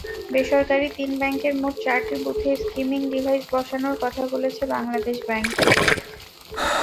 বেসরকারি তিন ব্যাংকের মোট চারটি বুথে স্কিমিং ডিভাইস বসানোর কথা বলেছে বাংলাদেশ ব্যাংক।